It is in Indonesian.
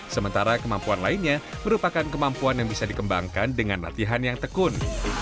sementara kemampuan lainnya merupakan kemampuan yang bisa dikembangkan dengan latihan yang tekun